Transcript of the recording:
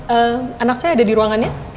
eh anak saya ada di ruangannya